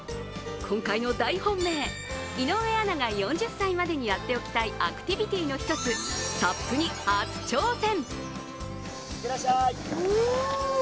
今回の大本命、井上アナが４０歳までにやっておきたい、アクティビティーの一つ、ＳＵＰに初挑戦。